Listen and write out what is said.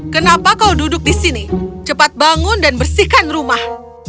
kenapa kau duduk di sini cepat bangun dan bersihkan rumah